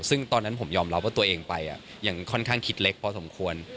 ซึ่งตอนนั้นผมยอมรับว่าตัวเองไปยังค่อนข้างคิดเล็กพอสมควร